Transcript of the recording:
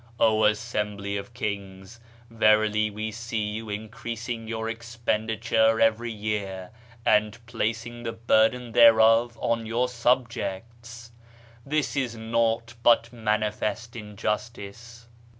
O assembly of Kings ! Verily we see you increasing your expenditure every year, and placing the burden (thereof) on your subjects : this is nought but manifest injustice.